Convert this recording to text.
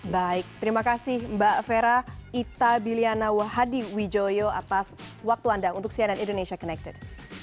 baik terima kasih mbak vera itabiliana wahadi wijoyo atas waktu anda untuk sian and indonesia connected